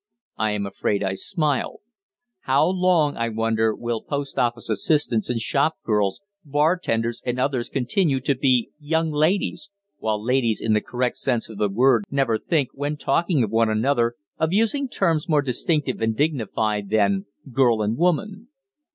I am afraid I smiled. How long, I wonder, will post office assistants, and shop girls, bar tenders, and others continue to be "young ladies," while ladies in the correct sense of the word never think, when talking of one another, of using terms more distinctive and dignified than "girl" and "woman"?